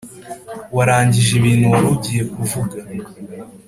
Warangije ibintu wari ugiye kuvuga